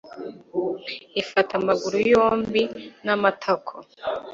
ifata amaguru yombi n'amatako